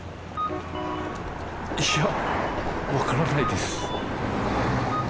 いや分からないです。